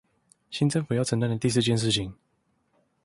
新政府要承擔的第四件事情